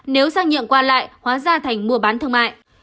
nếu sang nhận qua lại hóa ra thành mùa bán thương mại